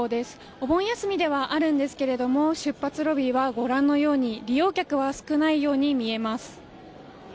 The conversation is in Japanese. お盆休みではあるんですけれども出発ロビーは利用客、少ないように見えます。